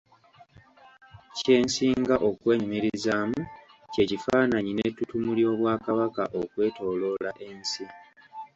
Kye nsinga okwenyumirizaamu ky'ekifaananyi n'ettuttumu ly'Obwakabaka okwetooloola ensi.